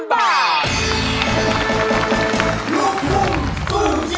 ลูกคุมสู้ชีวิต